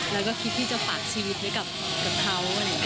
แล้วก็คิดที่จะฝากชีวิตไว้กับเขา